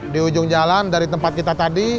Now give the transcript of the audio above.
di ujung jalan dari tempat kita tadi